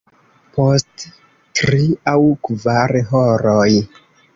Post tri aŭ kvar horoj.